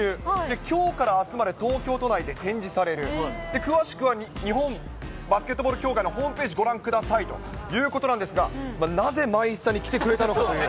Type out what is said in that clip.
きょうからあすまで東京都内で展示される、詳しくは日本バスケットボール協会のホームページご覧くださいということなんですが、なぜマイスタに来てくれたのかという。